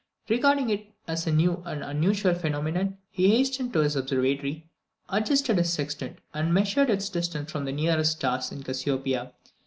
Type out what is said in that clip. Regarding it as a new and unusual phenomenon, he hastened to his observatory, adjusted his sextant, and measured its distances from the nearest stars in Cassiopeia.